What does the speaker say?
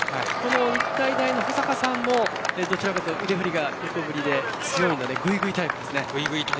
日体大の保坂さんもどちらかというと腕振りが横振りで強いのでぐいぐいタイプです。